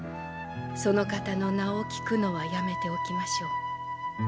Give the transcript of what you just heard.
その方の名を聞くのはやめておきましょう。